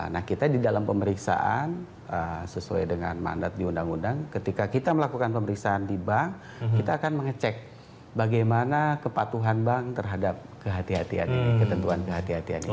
nah kita di dalam pemeriksaan sesuai dengan mandat di undang undang ketika kita melakukan pemeriksaan di bank kita akan mengecek bagaimana kepatuhan bank terhadap kehatian ini ketentuan kehatian itu